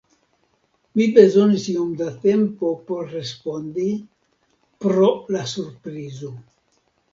Mi bezonis iom da tempo por respondi pro la surprizo.